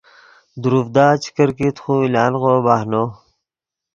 دروڤدا چے کرکیت خو لانغو بہنو